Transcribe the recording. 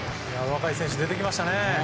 若い選手が出てきましたね。